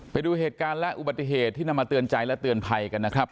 ไปดูเหตุการณ์และอุบัติเหตุที่นำมาเตือนใจและเตือนภัยกันนะครับ